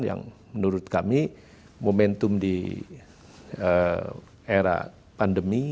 yang menurut kami momentum di era pandemi